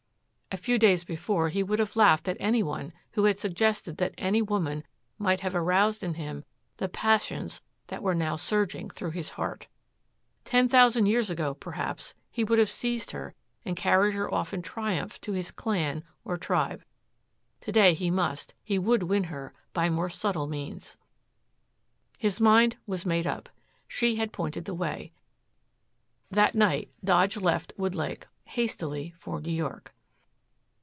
A few days before he would have laughed at any one who had suggested that any woman might have aroused in him the passions that were now surging through his heart. Ten thousand years ago, perhaps, he would have seized her and carried her off in triumph to his clan or tribe. To day he must, he would win her by more subtle means. His mind was made up. She had pointed the way. That night Dodge left Woodlake hastily for New York.